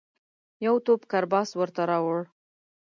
یو توپ کرباس ورته راووړ.